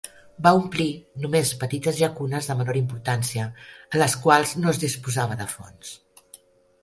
Va "omplir" només petites llacunes de menor importància, en les quals no es disposava de fonts.